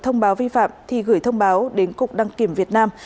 thông báo vi phạm thì gửi thông báo đến cục đăng kiểm việt nam